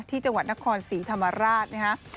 ที่จังหวัดนครศรีธรรมราชนะครับ